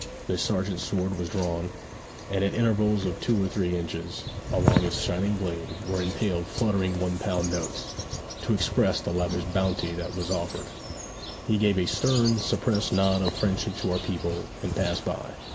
The sergeant's sword was drawn, and at intervals of two or three inches along its shining blade were impaled fluttering one pound notes, to express the lavish bounty that was offered. He gave a stern, suppressed nod of friendship to our people, and passed by.